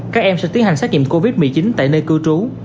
các em sẽ tiến hành xét nghiệm covid một mươi chín tại nơi cư trú